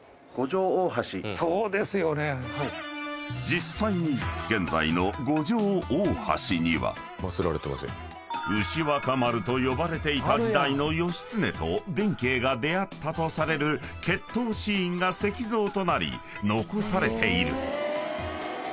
［実際に現在の五条大橋には牛若丸と呼ばれていた時代の義経と弁慶が出会ったとされる決闘シーンが石像となり残されている］